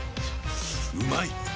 うまい！